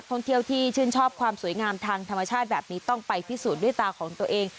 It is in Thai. ท่องเที่ยวที่ชื่นชอบความสวยงามทางธรรมชาติแบบนี้ต้องไปพิสูจน์ด้วยตาของตัวเอง